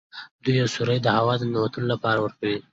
دوی یو سوری د هوا د ننوتلو لپاره ورکوي.